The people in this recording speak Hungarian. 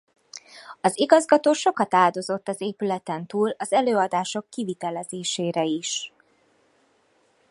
Az igazgató sokat áldozott az épületen túl az előadások kivitelezésére is.